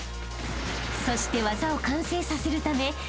［そして技を完成させるため］